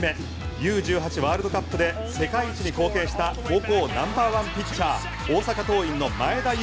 Ｕ−１８ワールドカップで世界一に貢献した高校ナンバーワンピッチャー大阪桐蔭の前田悠